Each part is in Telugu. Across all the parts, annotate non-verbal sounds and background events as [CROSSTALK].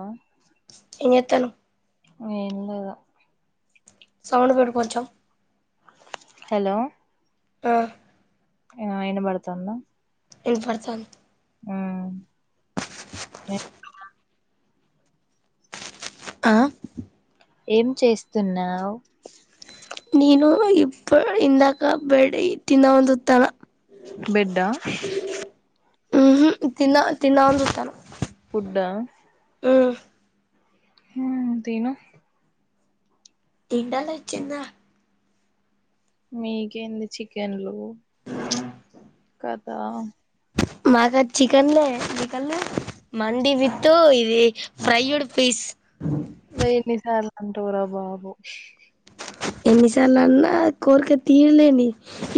ఆ ఏ చేస్తానవూ ఏం లేదు సౌండు, పెట్టు, కొంచం హలో, ఆహ్ ఆ వినబడుతుందా ఇంన్పడ్తంది ఉమ్ ఆ ఏం చేస్తున్నవ్ నను ఇప్ప ఇందాక బడి తిందాం అని జుత్తన బెడా హు్ హు్ తిన్నా తిన్నావని జుత్తన ఫుడ్డ ఉ ఉ తిను తింటలే చిన్నగ మీకేంది చికెన్లు కతా [UNINTELLIGIBLE] చికన్లే [UNINTELLIGIBLE] మండి వితు ఇది ఫ్రైడ్ పీస్ మే ఎన్నిసార్లు అంటవుర బాబు ఎన్నిసార్లు అన్నా కోరిక తీరలేని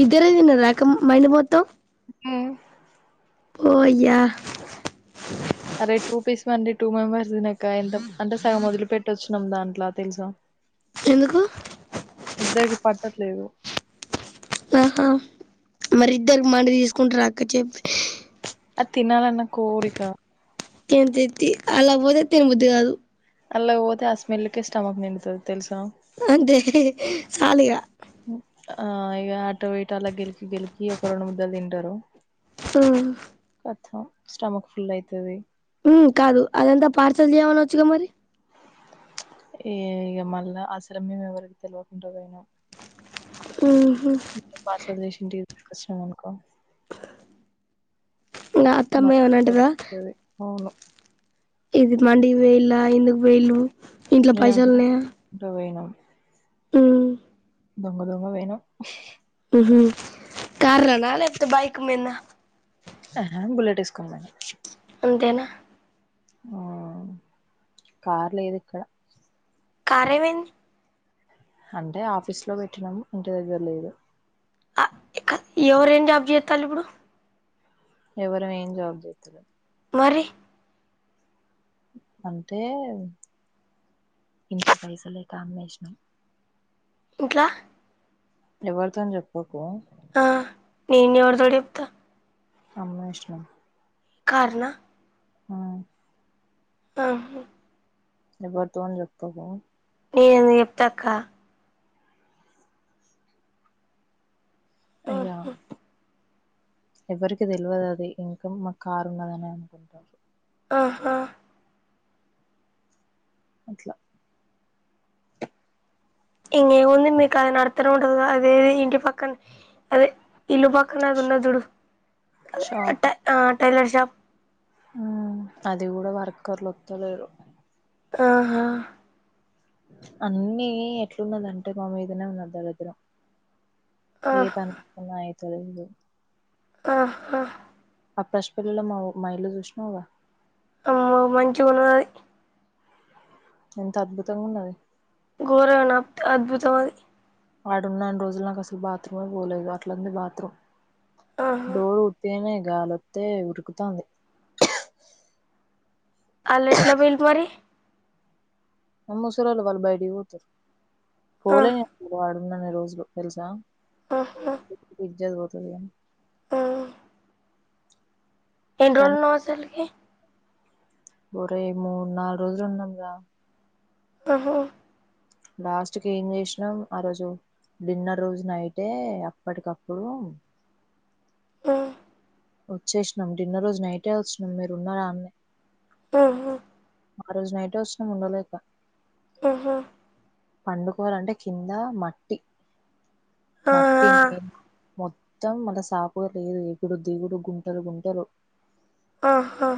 ఇద్దరే తిన్నార అక్క మండి మొత్తం ఉ పో అయ్య అరే టూ పీస్ మండి టూ మెంబర్స్ తినేకైయల్దు అంటే సగం ఒదిలి పెట్టొచ్చినం దాంట్ల తెలుసా ఎందుకు ఇద్దరికి పట్టట్లేదు ఆహా మరి ఇద్దర్కి మండి తీసుకుంటార అక్క చెప్ అది తినాలన్న కోరిక [UNINTELLIGIBLE] బోతే తనబుద్ది కాదు అన్లాక్ వోతే ఆ స్మెల్కే స్టమక్ నిండుతది తెలుసా అంతే సాలిగ ఆ ఇగ ఆటు ఇటు అలా గెలికి గెలికి ఒక రెండు ముద్దలు తింటారు ఉ [UNINTELLIGIBLE] స్టమక్ ఫుల్ అయితది ఉమ్ కాదు అదంతా పార్సల్ చేయమనొచ్చుగ మరి ఏ ఇగ మళ్ళ అసలే మేం ఎవరికి తెల్వకుంట [UNINTELLIGIBLE] ఉహు [UNINTELLIGIBLE] ఇంటికి తీసుకొచ్చినాం అనుకో ఇంగ అత్తమ్మ ఏమని అంటదా [UNINTELLIGIBLE] అవును ఇది మండికి వేల్ల ఎందుకు పోయిళ్లు [UNINTELLIGIBLE] ఉ దొంగ దొంగ గా పోయినం ఉహు కార్లన లేక్పోతే బైకు మీన్న [UNINTELLIGIBLE] అంతేన ఆ కార్ లేదిక్కడ కారేమై అంటే ఆఫీస్లో పెట్టినం ఇంటి దగ్గర లేదు ఆ కాద్ ఎవరేం జాబ్ జేత్తల్లు ఇప్పుడు ఎవరమేం జాబ్ జేత్తలే మరి అంటే ఇంట్ల పైసల్లేక అమ్మేశ్నం ఇంట్లా ఎవర్తోన్ జెప్పకు ఆ నేను ఎవర్తోటి చెప్తా అమ్మేశ్నం కార్నా ఆ ఆహ ఎవర్తోన్ జెప్పకు నే ఎందుకు జెప్తా అక్కా ఇగో ఆహా ఎవ్వరికి తెల్వదది ఇంకా మా కారు ఉన్నదని అనుకుంటార్రు. ఆహా అట్లా ఇంగేం ఉంది మీ కది నీకది నడుత్త రోడ్డు అదే ఏవీ ఇంటి పక్కన్ అదే ఇల్లు పక్కన అది ఉన్నజూడు షాప్ అదే ఆ టైలర్ షాప్ ఉమ్ అది కూడా వర్కర్లు ఒత్తలేరు ఆహా అన్నీ ఎట్లున్నదంటే మా మీదనే ఉన్న దరిద్రం ఏ ఆహ్ పని [UNINTELLIGIBLE] ఐతలే లేదు ఆహ్హా అపాష్పిల్లిలో మా మా ఇల్లు జూష్ణవ్ గా ఆమ్మో మంచిగున్నది ఎంత అద్భుతంగా ఉన్నది ఘోరనాప్ అద్భుతమది వాడున్నన్ని రోజులు నాకు అసల్ బాత్రూమే బోలేదు అట్లుంది బాత్రూమ్ ఆహా డోర్ తేనే గాలొత్తే ఉరుకుతాంది ఆల్లెట్ల పొయిల్ మరి ముసలొళ్ళు వాళ్ళు బైటికి పోతరు ఆ పోలే నే వాడున్నని రోజులు తెల్సా ఊహు ఇజ్జత్ పోతద్ అని ఊ కాని ఎన్రోలున్నవ్ అస్సల్కి ఒరేయ్ మూడ్ నాల్రోజులు ఉన్నం రా ఊహు లాస్ట్ కేం జేశ్నాం ఆ రోజు డిన్నర్ రోజు నైటే అప్పటికప్పుడు ఊ వచ్చేస్నాం డిన్నర్ రోజు నైటే వచ్నాం మీరు ఉన్నారాడ్నే ఊహు ఆ రోజ్ నైటె వచ్చినం ఉండలేక ఊహు పండుకోవాలంటే కింద మట్టి ఆ మట్టి నే మొత్తం మళ్ళ సాపుగా లేదు ఎగుడు దిగుడు గుంటలు గుంటలు ఆ హా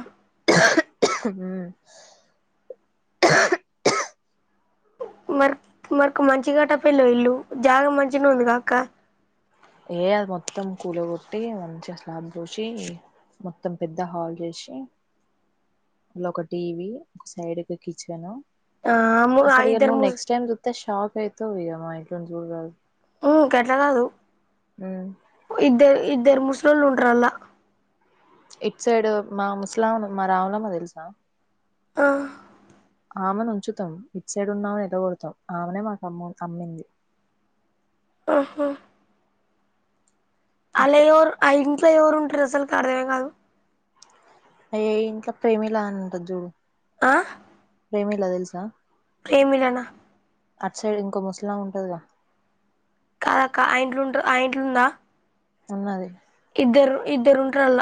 ఉమ్ మర్క్ మర్కు మంచి గట్టక్పొయిల్లు ఇల్లు జాగ మంచిగనె ఉందిగా అక్కా ఏ అది మొత్తం కూలగొట్టి మంచిగా స్లాబ్ పోసి మొత్తం పెద్ద హాల్ చేసి అల్ల ఒక టీవీ ఒక సైడుకి కిచెను ఆ అసలు ఇగ ఇద్దరు నువ్ ముస్ నెక్స్ట్ టైమ్ జుత్తె షాక్ అయితవ్ ఇగ మా ఇల్లుని జూడరాదు ఉహ్ గట్ల కాదు ఉ ఇద్దరు ఇద్దరు ముసలోల్లు ఉంటర్ అల్ల ఇట్ సైడ్ మా ముసలమను మా రావులమ్మ తెల్సా ఆహ్ ఆమెను ఉంచుతాం ఇటు సైడ్ ఉన్నామని ఎల్ల కొడతాం ఆమెనే మాకు అమ్ అమ్మింది అహ్ఆ అల్ల అట్లా ఎవరు ఆ ఇంట్లో ఎవరు ఉంటరు అసలుకి అర్థమే కాదు అయ ఆ ఇంట్లో ప్రేమిల అనుంటద్ చూడు ఆ ప్రేమిలా తెల్సా ప్రేమిల నా అట్ సైడ్ ఇంకో ముసలామే ఉంటదిగా కాదక్కా ఆ ఇంట్లుంట ఆ ఇంట్లుందా ఉన్నది ఇద్దరు ఇద్దరూంట్రల్ల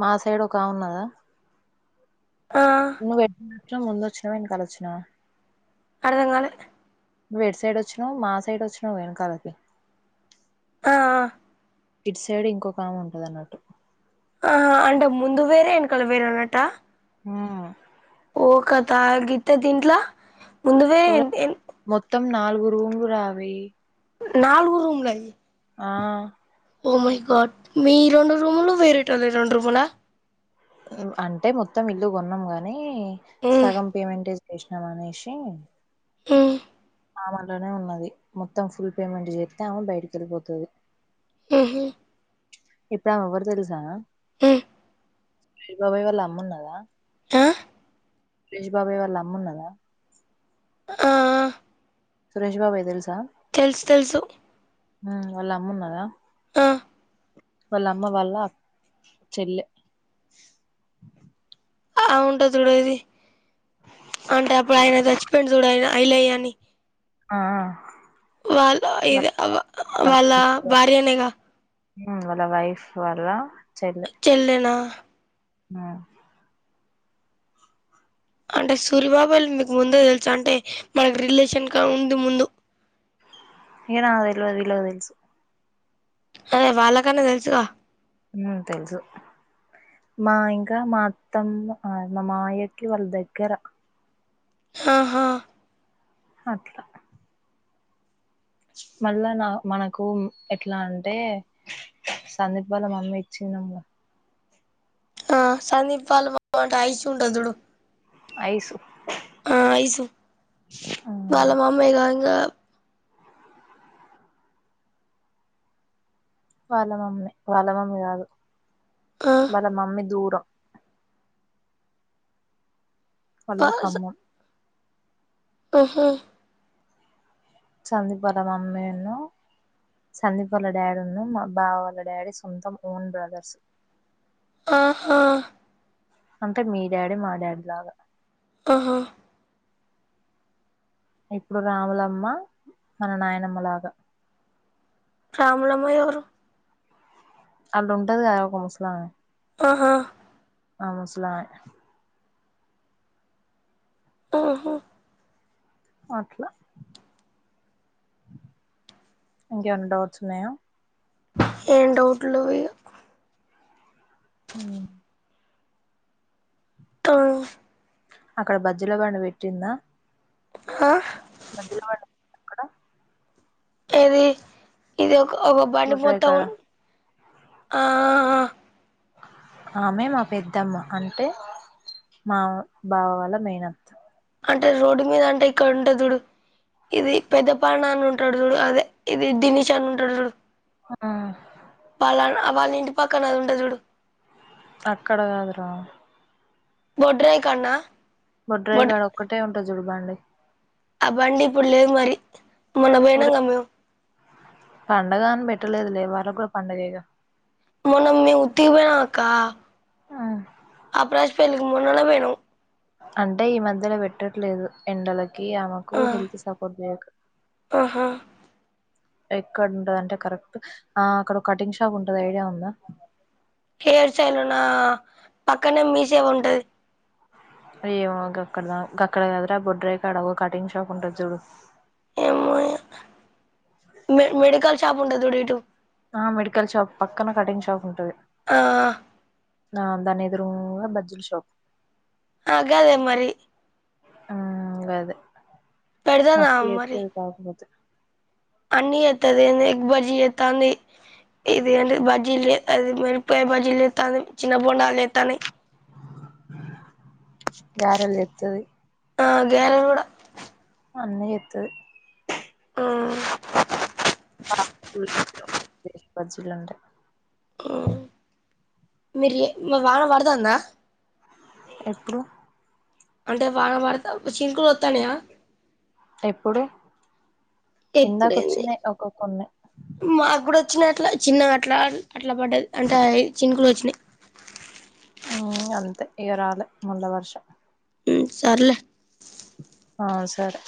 మా సైడ్ ఒకామె ఉన్నదా ఆ నువ్వు ఎట్ల ఒచ్చావ్ ముందొచ్చినావ ఎనకాలొచ్చినవ అర్థం కాలే నువు ఎట్ సైడ్ వచ్చినావు మా సైడ్ వచ్చినావ్ వెనకాలకి ఆఆ ఇట్ సైడ్ ఇంకోకామె ఉంటది అన్నట్టు ఆహా అంటే ముందు వేరే ఎనకాల వేరే ఉన్నట్టా హూ ఓ కథ గింత దీంట్లా ముందుదే ఎన్ ఎన్ మొత్తం నాలుగు రూమ్లురా అవి నాలుగు రూమ్లా అయ్యి ఆ ఓ మై గాడ్ మీ రెండు రూములు వేరేటోల్లయి రెండు రూములా అంటే మొత్తం ఇల్లు కొన్నాం గాని ఉమ్ సగం పేమెంటె చేసినాం అనేశి హు ఆమె అన్లానే ఉన్నది మొత్తం ఫుల్ పేమెంట్ చేత్తె ఆమె బయటికెళ్ళిపోతది ఉహు ఇప్పుడు ఆమె ఎవరు తెలుసా ఉమ్ [UNINTELLIGIBLE] బబాయి వాళ్ళ అమ్మ ఉన్నదా ఆ సురేష్ బాబాయ్ వాళ్ళ అమ్మ ఉన్నదా ఆఆ సురేష్ బాబాయ్ తెల్సా తెలుస్ తెలుసు ఆ వాళ్ళమ్మ ఉన్నదా ఆ వాళ్ళ అమ్మ వాళ్ళ అక్ చెల్లె ఆ ఉంటది చూడ్ అది అంటే అప్పుడు ఆయన చచ్చిపోయుండు చూడు ఆయన ఐలయ్య అని ఆ ఆ వాళ్ళ వాళ్ళ ఇది అవ్వ ఆ వాళ్ళ భార్యనేగా ఊ వాళ్ళ వైఫ్ వాళ్ళ చెల్లె చెల్లెనా ఊ అంటే సూరిబాబాయోల్ మీకు ముందే తెలుసా అంటే మనకి రిలేషన్ క ఉందు ముందు హే నాగ్ తెల్వదు వీళ్ళక్ తెలుసు అదే వాళ్ళకన్నా తెలుసుగా ఉ తెలుసు మా ఇంకా మా అత్తమ్మ ఆ మామయ్య కి వాళ్ళు దగ్గర ఆహా అట్లా మళ్ళా నా మనకు ఎట్లా అంటే సందిప్ వాళ్ళ మామ్మీ చిన్నమ్మో ఆ సందీప్ వాళ్ళ మమ్మీ అంటే అయసు ఉంటది చూడు ఐసు ఆ ఐసు వాళ్ళ మమ్మే గా ఇంగ వాళ్ళ మమ్మే వాళ్ళ మమ్మీ కాదు ఆ వాళ్ళ మమ్మీ దూరం వాళ్ళది ఖమ్మం ఉహు సందీప్ వాళ్ళ మమ్మీను సందీప్ వాళ్ళ డాడీ ఉన్ను మా బావ వాళ్ళ డాడీ సొంతం ఓన్ బ్రదర్స్ ఆహా అంటే మీ డాడీ మా డాడీ లాగా ఆహా ఇప్పుడు రాములమ్మ మన నాయనమ్మ లాగా రాములమ్మ ఎవరు అల్లుంటది గద ఒక ముస్లామె ఆహా ఆ ముసలామె ఆహా అట్లా ఇంకేమన్నా డౌట్స్ ఉన్నాయా ఏం డౌట్లు లెవు ఇగ ఉ తా అక్కడ బజ్జిల బండి పెట్టింన్నా హా బజ్జిల బండి అక్కడ ఏది ఇది ఒక ఒక బండి గొడ్రాయి పోత కాడ ఉన్ ఆ ఆ ఆ ఆమె మా పెద్దమ్మ అంటే మా బావ వాళ్ల మేనత్త అంటే రోడ్డు మీద అంటే ఇక్కడ ఉంటది చూడు ఇది పెద్దపాన అని ఉంటాడు జూడు అదే ఇది దినిష్ అన్న ఉంటాడు జూడు ఆ వాళ్ళ వాళ్ళింటి పక్కన ఆది ఉంటది జూడు అక్కడ కాదు రా బొడ్రాయి కాడన బొడ్రాయి గడ ఒక్కటే ఉంటది జుడు బండి ఆ బండి ఇప్పుడ్ లేదు మరి మొన్న బోయినం గ మేమ్ పండగా అని పెట్టలేదులే వాళ్ళక్ గూడా పండుగేగా మొన్న మేం ఉతిగబోయినం అక్క ఆహ్ అప్రేష్ పేల్లికి మొన్ననే పోయినం అంటే ఈ మధ్యల పేట్టట్లేదు ఎండలకి ఆమె కూ ఆ హెల్త్ సపోర్ట్ జేయక ఆహా ఎక్కడ్ ఉంటది అంటే కరెక్ట్ ఆహ్ అక్కడ ఓ కటింగ్ షాప్ ఉంటది ఐడియా ఉందా హేర్ స్టైలొనా పక్కనే మీసేవ ఉంటది అయ్యో గక్కడ్ దా గక్కడ కదరా బొడ్రయి కాడ ఓ కటింగ్ షాప్ ఉంటది జూడు ఏమో ఇగ మె మెడికల్ షాప్ ఉంటది జూడు ఇటు ఆహ్ మెడికల్ షాప్ పక్కన కటింగ్ షాప్ ఉంటది. ఆహ్ నా దాని ఎదురొంగ బజ్జీల్ షాపు ఆహ్ గాదే మరి ఆహ్ గదే పెడతది మస్త్ ఆమె జెత్తది కాకపోతె అన్నీ జెత్తది ఏంది ఎగ్ బజ్జీ జెతాంది ఇది ఎంటి బజీలు జెత్తంది మీర్ పై బజీలు జెత్తంది చిన్న బొండాల్ జెత్తన్నాయి గారెల్ జెత్తది ఆహ్ గ్యారెల్ గూడా అన్ని జెత్తది ఆహ్ [INAUDIBLE] బజ్జీలంట ఆహ్ మీర్ ఏ వాన పడ్తాంద. ఎప్పుడు అంటే వాన పడ్త చిన్కులు ఒత్తనయా ఎప్పుడు ఇందాక ఎప్పుడెంది వచ్చినాయి ఒక కొన్ని మాక్ గూడ ఓచ్చిన అట్లా చిన్న అట్లా అట్లా పడ్డది అంటే చిన్నకులు ఓచ్చినీ ఆహ్ అంతే ఇగ రాలే మళ్ళ వర్షం సర్లే ఆహ్ సరే